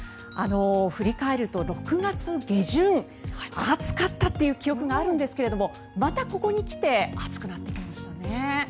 振り返ると６月下旬暑かったという記憶があるんですけどまたここに来て暑くなってきましたね。